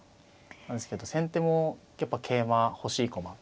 なんですけど先手もやっぱ桂馬は欲しい駒。